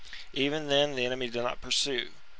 Even then the enemy did not pursue.